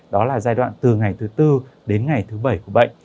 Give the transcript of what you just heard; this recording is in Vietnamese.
đó là giai đoạn từ ngày thứ tư đến ngày thứ bảy của bệnh